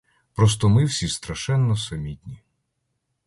Просто ми всі страшенно самітні.